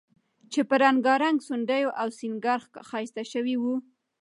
چې په رنګارنګ ځونډیو او سینګار ښایسته شوی و،